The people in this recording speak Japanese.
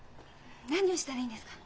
何をしたらいいんですか？